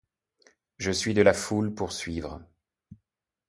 Je suis de la foule pour suivre